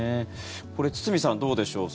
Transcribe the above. これ、堤さんどうでしょう。